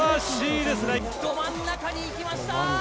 ど真ん中にいきました！